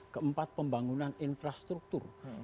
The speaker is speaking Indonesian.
keempat pembangunan infrastruktur